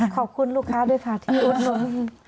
ขอบคุณลูกค้าด้วยค่ะที่อุดหนุน